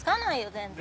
全然。